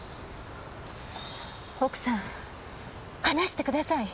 奥さん話してください！